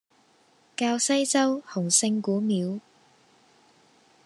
滘西洲洪聖古廟